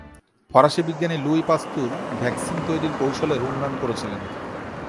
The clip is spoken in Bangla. ফরাসী বিজ্ঞানী লুই পাস্তুর ভ্যাকসিন তৈরির কৌশলের উন্নয়ন করেছিলেন।